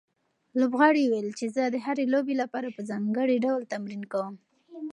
لوبغاړي وویل چې زه د هرې لوبې لپاره په ځانګړي ډول تمرین کوم.